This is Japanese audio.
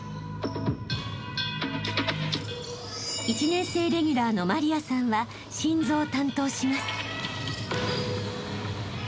［１年生レギュラーの麻莉亜さんは心臓を担当します］